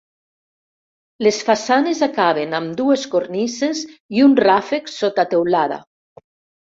Les façanes acaben amb dues cornises i un ràfec sota teulada.